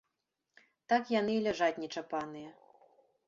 Так яны і ляжаць нечапаныя.